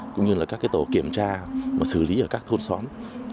cũng như là các tổ kiểm tra mà xử lý ở các thôn xóm